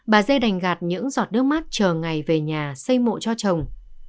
bà dê đành gạt những giọt nước mát chờ ngày về nhà xây mộ cho chồng